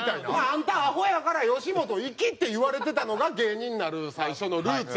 「あんたアホやから吉本行き」って言われてたのが芸人になる最初のルーツやったというか。